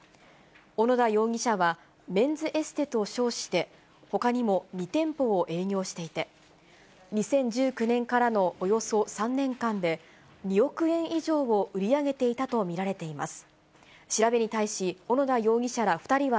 小野田容疑者は、メンズエステと称して、ほかにも２店舗を営業していて、２０１９年からのおよそ３年間で、２億円以上を売り上げていたと見られています。